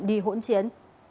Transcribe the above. đi hỗn chiến